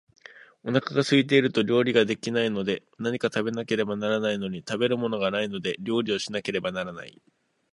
お腹が空いていると料理が出来ないので、何か食べなければならないのに、食べるものがないので料理をしなければならない